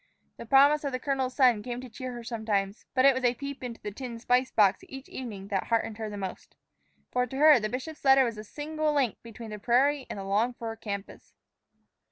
The promise of the colonel's son came to cheer her sometimes; but it was a peep into the tin spice box each evening that heartened her most. For to her the bishop's letter was the single link between the prairie and the longed for campus.